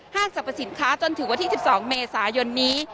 สรรพสินค้าจนถึงวันที่๑๒เมษายนนี้